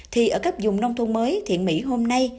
thì ở các dùng nông thôn mới thiện mỹ hôm nay